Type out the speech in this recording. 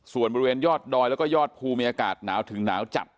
ส่วนบริเวณยอดดอยแล้วก็ยอดภูมิมีอากาศหนาวถึงหนาวจัด